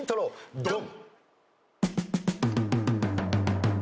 ドン！